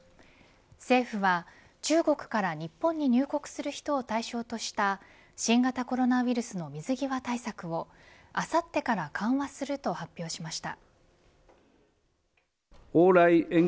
政府は中国から日本に入国する人を対象とした新型コロナウイルスの水際対策をあさってから緩和すると発表しました。